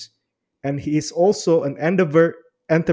dan dia juga seorang entrepreneur